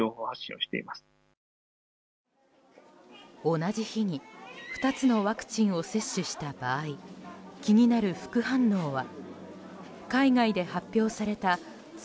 同じ日に２つのワクチンを接種した場合気になる副反応は？